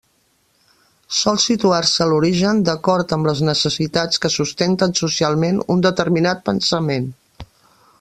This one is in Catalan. Sol situar-se l'origen d'acord amb les necessitats que sustenten socialment un determinat pensament.